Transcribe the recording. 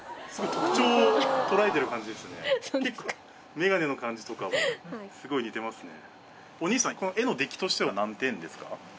メガネの感じとかもすごい似てますね。